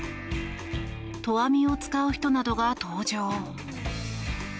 投網を使う人などが登場。